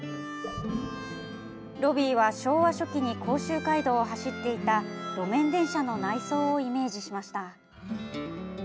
ロビーは、昭和初期に甲州街道を走っていた路面電車の内装をイメージしました。